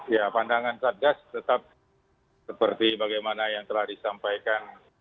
ya pandangan satgas tetap seperti bagaimana yang telah disampaikan